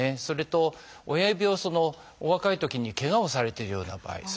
それと親指をお若いときにけがをされているような場合。